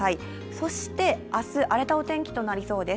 そして明日、荒れたお天気となりそうです。